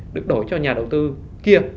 được đổi cho nhà đầu tư kia